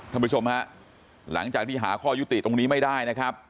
ท่านผู้ชมฮะหลังจากที่หาข้อยุติตรงนี้ไม่ได้นะครับ